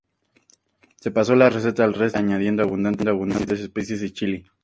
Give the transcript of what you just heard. Se pasó la receta al resto de India añadiendo abundantes especias y chili.